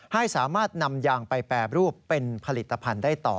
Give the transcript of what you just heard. ให้สามารถนำยางไปแปรรูปเป็นผลิตภัณฑ์ได้ต่อ